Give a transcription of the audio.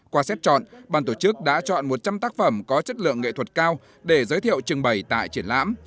qua xét chọn bàn tổ chức đã chọn một trăm linh tác phẩm có chất lượng nghệ thuật cao để giới thiệu trưng bày tại triển lãm